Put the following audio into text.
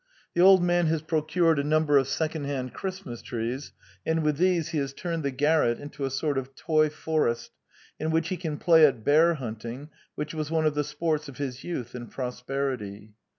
The old man has procured a number of second hand Christmas trees; and with these he has turned the garret into a sort of toy forest, in which he can play at bear hunting, which was one of the sports of his youth and prosperity.